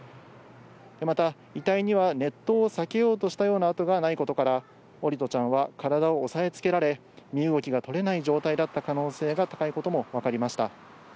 また、遺体には熱湯を避けようとしたような痕がないことから、桜利斗ちゃんは体を押さえ付けられ身動きが取れない状態だった可能性が高いこともわかりました。